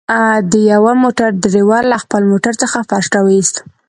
د يوه موټر ډريور له خپل موټر څخه فرش راوويست.